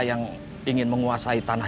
yang ingin menguasai tanah